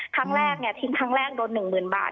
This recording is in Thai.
ครั้งแรกทิ้งครั้งแรกโดน๑๐๐๐บาท